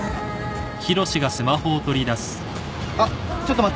あっちょっと待って。